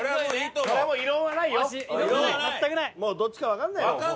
もうどっちかわかんないもん。